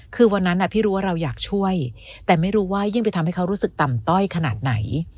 คือวันนั้นพี่รู้ว่าเราอยากช่วยแต่ไม่รู้ว่ายิ่งไปทำให้เขารู้สึกต่ำต้อยขนาดไหน